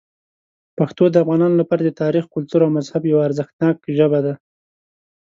پښتو د افغانانو لپاره د تاریخ، کلتور او مذهب یوه ارزښتناک ژبه ده.